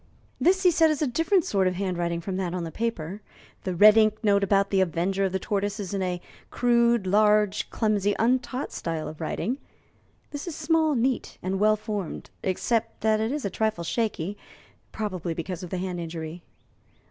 "This" he said, "is a different sort of handwriting from that on the paper. The red ink note about the avenger of the tortoise is in a crude, large, clumsy, untaught style of writing. This is small, neat, and well formed except that it is a trifle shaky, probably because of the hand injury."